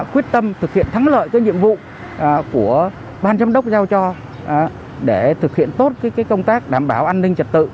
quyết tâm thực hiện thắng lợi cái nhiệm vụ của ban giám đốc giao cho để thực hiện tốt công tác đảm bảo an ninh trật tự